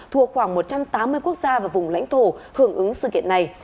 thua khoảng một trăm tám mươi quốc gia và vùng lãnh thổ hưởng ứng sự kiện này